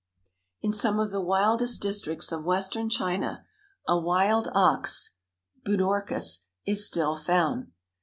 In some of the wildest districts of western China a wild ox (budorcas) is still found.